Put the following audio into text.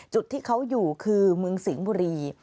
จุดที่เขาอยู่คือเมืองสิงห์บุรี